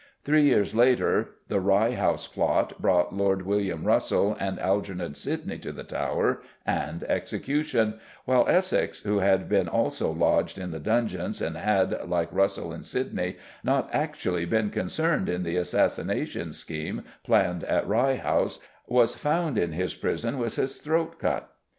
Three years later, the Rye House Plot brought Lord William Russell and Algernon Sidney to the Tower and execution, while Essex, who had also been lodged in the dungeons, and had, like Russell and Sidney, not actually been concerned in the assassination scheme planned at Rye House, was found in his prison with his throat cut.